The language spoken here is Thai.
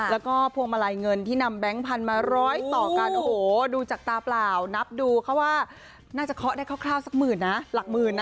แล้วก็พวงมาลัยเงินที่นำแบงค์พันธุ์มาร้อยต่อกันโอ้โหดูจากตาเปล่านับดูเขาว่าน่าจะเคาะได้คร่าวสักหมื่นนะหลักหมื่นนะ